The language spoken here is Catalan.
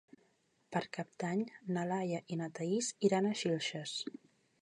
Per Cap d'Any na Laia i na Thaís iran a Xilxes.